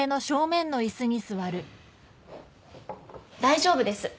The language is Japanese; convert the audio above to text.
大丈夫です。